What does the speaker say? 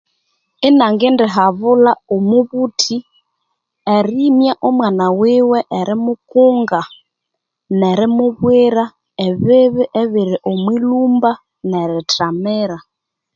Ini ngendi habulha omubuthi erimya omwana wiwe eri kukunga nerimubwira ebibi ebiri omwi lhumba nerithamira.